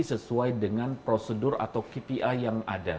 sesuai dengan prosedur atau kpi yang ada